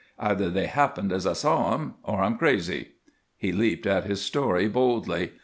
Either they happened as I saw them or I'm crazy." He leaped at his story boldly.